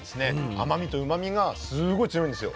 甘みとうまみがすごい強いんですよ。